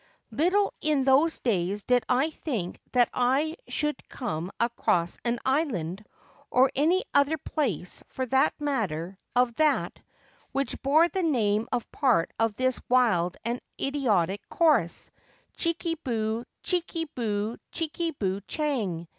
Little in those days did I think that I should come across an island — or any other place, for the matter of that — which bore the name of part of this wild and idiotic chorus, £ Chikubu, Chikubu, Chikubu Chang.'